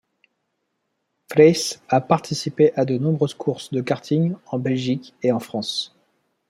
Frijns a participé à de nombreuses courses de karting en Belgique et en France.